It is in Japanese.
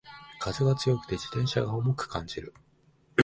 風が強くて自転車が重く感じる